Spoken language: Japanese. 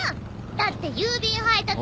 だって郵便配達人。